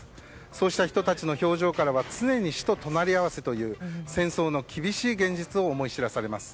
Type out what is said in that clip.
そうした人たちの表情からは常に死と隣り合わせという戦争の厳しい現実を思い知らされます。